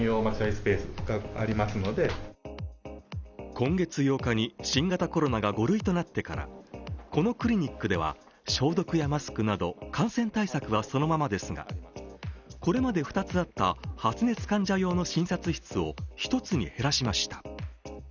今月８日に新型コロナが５類となってからこのクリニックでは消毒やマスクなど感染対策はそのままですがこれまで２つあった発熱患者用の診察室を１つに減らしました。